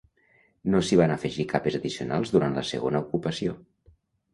No s'hi van afegir capes addicionals durant la segona ocupació.